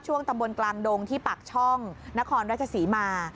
ตำบลกลางดงที่ปากช่องนครราชศรีมา